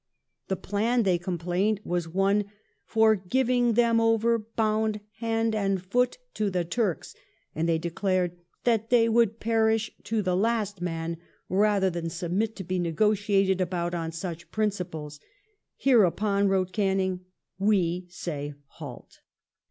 The plan, they complained, was one " for giving them over bound hand and foot to the Turks," and they declared "that they would perish to the last man rather than sub mit to be negotiated about on such principles "." Hereupon," wrote Canning,^ ''we say halt."